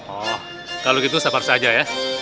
oh kalau gitu sabar saja ya